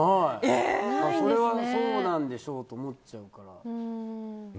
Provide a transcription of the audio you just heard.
それは、そうなんでしょうと思っちゃうから。